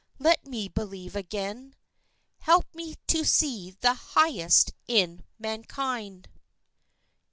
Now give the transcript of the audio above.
Let me believe again; Help me to see the highest in mankind!